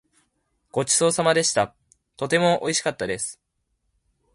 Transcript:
ごちそうさまでした。とてもおいしかったです。